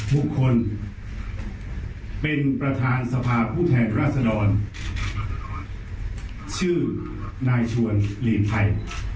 บุคคลเป็นประธานสภาผู้แทนราษดรชื่อนายชวนหลีกภัย